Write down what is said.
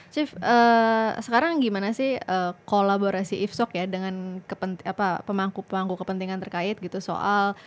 chief sekarang gimana sih kolaborasi ifsok ya dengan pemangku pemangku kepentingan terkait gitu soal